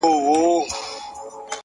له شپږو مياشتو څه درد .درد يمه زه.